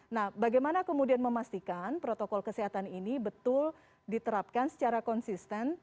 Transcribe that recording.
nah bagaimana kemudian memastikan protokol kesehatan ini betul diterapkan secara konsisten